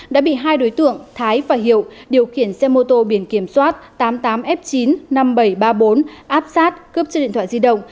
đã bị hai đối tượng thái và hiệu điều khiển xe mô tô biển kiểm soát tám mươi tám f chín mươi năm nghìn bảy trăm ba mươi bốn áp sát cướp trên điện thoại di động